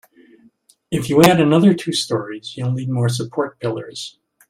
If you add another two storeys, you'll need more support pillars.